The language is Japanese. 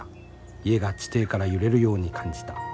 家が地底から揺れるように感じた。